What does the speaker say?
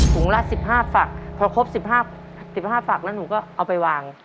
ถุงละสิบห้าฝากพอครบสิบห้าฝากแล้วหนูก็เอาไปวาง